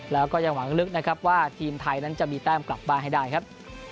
แล้วก็ยังหวังลึกนะครับว่าทีมไทยนั้นจะมีแต้มกลับบ้านให้ได้ครับ